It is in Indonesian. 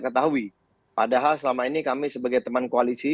ketahui padahal selama ini kami sebagai teman koalisi